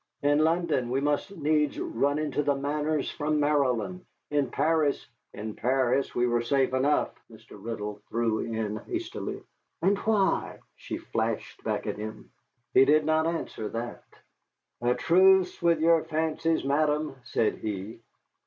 In London we must needs run into the Manners from Maryland. In Paris " "In Paris we were safe enough," Mr. Riddle threw in hastily. "And why?" she flashed back at him. He did not answer that. "A truce with your fancies, madam," said he.